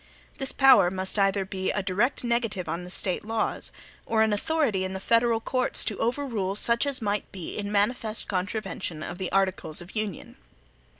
This power must either be a direct negative on the State laws, or an authority in the federal courts to overrule such as might be in manifest contravention of the articles of Union.